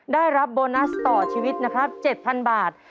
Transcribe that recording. ได้รับโบนัสต่อชีวิตนะครับ๗๐๐บาท